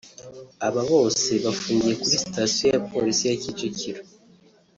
Aba bose bafungiye kuri stasiyo ya Polisi ya Kicukiro